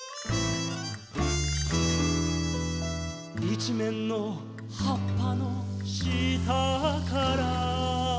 「いちめんのはっぱのしたから」